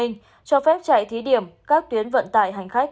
cho phép chạy thí điểm các tuyến vận tải hành khách